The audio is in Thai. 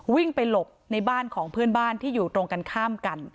วิ่งไปหลบในบ้านของเพื่อนบ้านที่อยู่ตรงกันข้ามกัน